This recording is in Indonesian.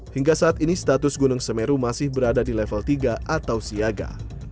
hingga saat ini status gunung semeru masih berada di level tiga atau siaga